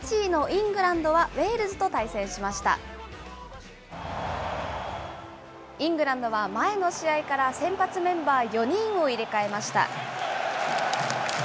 イングランドは前の試合から先発メンバー４人を入れ替えました。